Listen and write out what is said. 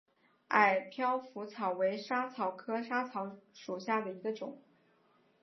矮飘拂草为莎草科飘拂草属下的一个种。